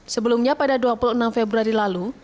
sebelumnya pada dua puluh enam februari lalu